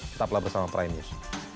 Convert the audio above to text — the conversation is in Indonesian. tetaplah bersama prime news